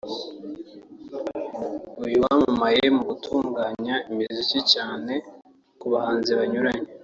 uyu wamamaye mu gutunganya imiziki cyane ku bahanzi banyuranye